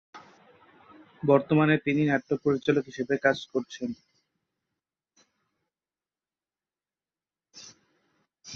বর্তমানে তিনি নাট্য পরিচালক হিসেবেও কাজ করছেন।